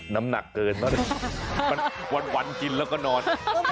น้ำหนักเกินวันกินแล้วก็นอน